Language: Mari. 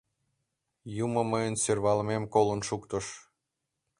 — Юмо мыйын сӧрвалымем колын шуктыш».